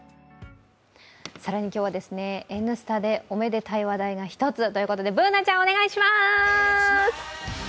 更に今日は「Ｎスタ」でおめでたい話題が一つということでＢｏｏｎａちゃん、お願いします！